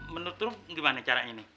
menurut rum gimana caranya nih